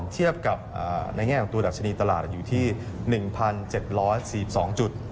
เทียบกับในแง่ของตัวดัชนีตลาดอยู่ที่๑๗๔๒จุด